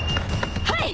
はい！